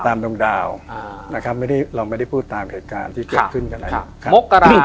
ตามดวงดาวนะครับเราไม่ได้พูดตามเหตุการณ์ที่เกิดขึ้นกันนะครับ